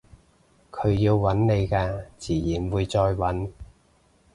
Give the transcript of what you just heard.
佢要搵你嘅自然會再搵